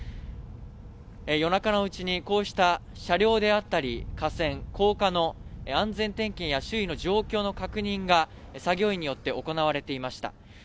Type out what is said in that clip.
夜中のうちにこうした車両であったり、架線、高架の安全点検や周囲の状況の確認が作業員によって行われていました。